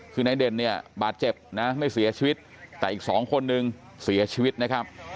คือนายเด่นเนี่ยบาดเจ็บนะไม่เสียชีวิตแต่อีกสองคนนึงเสียชีวิตนะครับ